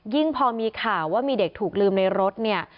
พอมีข่าวว่ามีเด็กถูกลืมในรถเนี่ย